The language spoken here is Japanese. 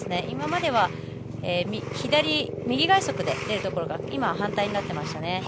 今までは右外足で入っていたところが反対になっていましたね。